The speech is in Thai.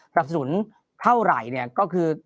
รับสนุนเท่าไหร่เนี่ยก็คือ